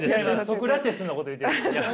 ソクラテスのこと言ってるんです。